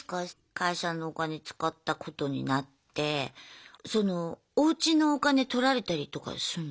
会社のお金使ったことになってそのおうちのお金取られたりとかすんの？